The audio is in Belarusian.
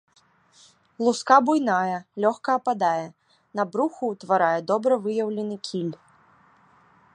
Луска буйная, лёгка ападае, на бруху ўтварае добра выяўлены кіль.